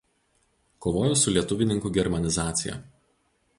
Kovojo su lietuvininkų germanizacija.